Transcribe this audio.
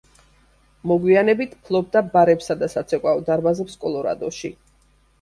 მოგვიანებით ფლობდა ბარებსა და საცეკვაო დარბაზებს კოლორადოში.